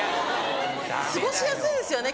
過ごしやすいですよね